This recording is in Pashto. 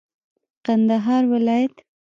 کندهار ولايت